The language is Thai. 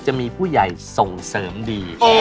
จะมีผู้ใหญ่ส่งเสริมดี